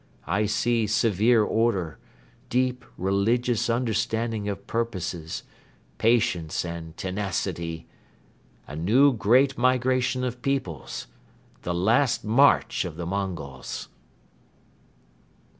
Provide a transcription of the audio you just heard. I see severe order, deep religious understanding of purposes, patience and tenacity ... a new great migration of peoples, the last march of the Mongols.